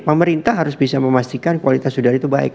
pemerintah harus bisa memastikan kualitas udara itu baik